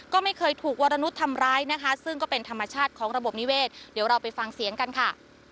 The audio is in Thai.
ก็ไม่เคยถูกวรนุษย์ทำร้ายนะคะซึ่งก็เป็นธรรมชาติของระบบนิเวศเดี๋ยวเราไปฟังเสียงกันค่ะ